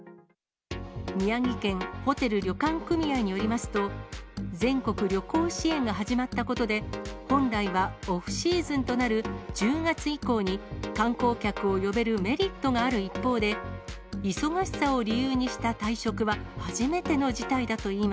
宮城県ホテル旅館組合によりますと、全国旅行支援が始まったことで、本来はオフシーズンとなる１０月以降に、観光客を呼べるメリットがある一方で、忙しさを理由にした退職は、初めての事態だといい